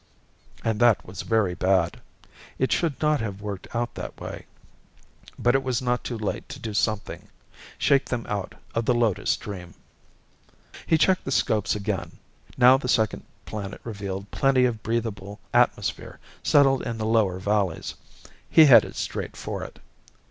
And that was very bad. It should not have worked out this way. But it was not too late to do something, shake them out of the Lotus dream. He checked the scopes again. Now the second planet revealed plenty of breathable atmosphere settled in the lower valleys. He headed straight for it.